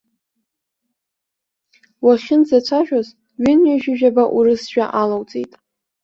Уахьынӡацәажәоз ҩынҩажәижәаба урысажәа алоуҵеит.